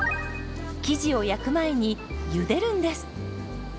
生地を焼く前にゆでるんです。